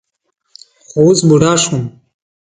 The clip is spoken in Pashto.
خو اوس بوډا شوم.